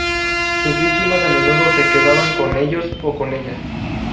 Sus víctimas a menudo se quedaban con ellos, o con ella.